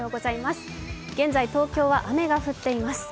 現在、東京は雨が降っています。